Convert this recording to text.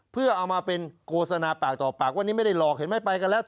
เพื่อเอามาเป็นโฆษณาปากต่อปากว่านี่ไม่ได้หลอกเห็นไหมไปกันแล้ว